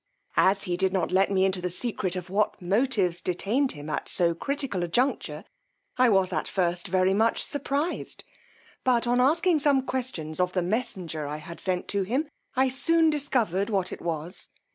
As he did not let me into the secret of what motives detained him at so critical a juncture, I was at first very much surprized; but on asking some questions of the messenger I had sent to him, I soon discovered what it was.